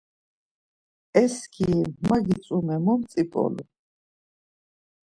E skiri ma gitzumer, mot mtzip̌olum.